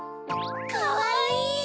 かわいい！